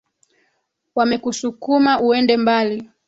Wamekusukuma uende mbali